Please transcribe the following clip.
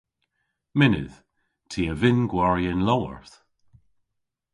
Mynnydh. Ty a vynn gwari y'n lowarth.